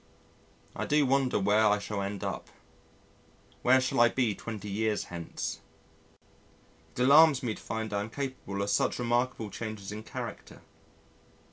I do wonder where I shall end up; what shall I be twenty years hence? It alarms me to find I am capable of such remarkable changes in character.